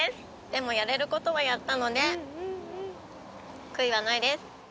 でもやれることはやったので、悔いはないです。